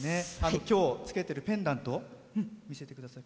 今日、つけてるペンダント見せてください。